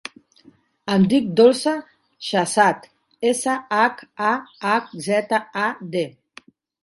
Em dic Dolça Shahzad: essa, hac, a, hac, zeta, a, de.